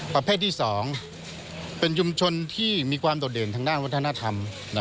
ประเภทที่๒เป็นชุมชนที่มีความโดดเด่นทางด้านวัฒนธรรม